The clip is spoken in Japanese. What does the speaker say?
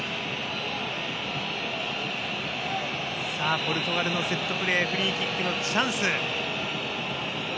ポルトガルのセットプレーフリーキックのチャンス。